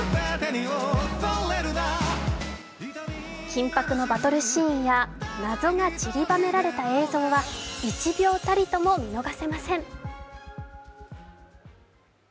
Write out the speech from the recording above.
緊迫のバトルシーンや謎がちりばめられた映像は１秒たりとも見逃せません。